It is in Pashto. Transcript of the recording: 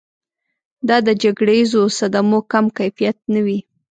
دا د جګړیزو صدمو کم کیفیت نه وي.